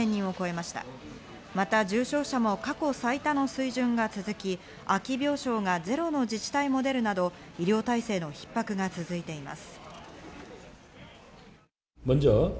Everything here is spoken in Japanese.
また重症者も過去最多の水準が続き、空き病床がゼロの自治体も出るなど医療体制の逼迫が続いています。